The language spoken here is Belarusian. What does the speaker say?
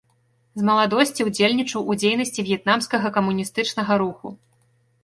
З маладосці ўдзельнічаў у дзейнасці в'етнамскага камуністычнага руху.